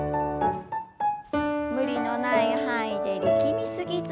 無理のない範囲で力み過ぎず。